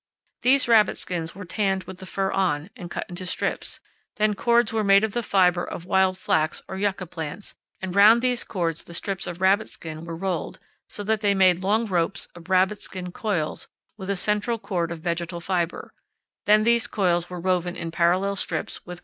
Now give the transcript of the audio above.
These rabbitskins were tanned with the fur on, and cut into strips; then cords were made of the fiber of wild flax or yucca plants, and round these cords the strips of rabbitskin were rolled, so that they made long ropes of rabbitskin coils with a central cord of vegetal fiber; then these coils were woven in parallel strings with cross 64 powell canyons 39.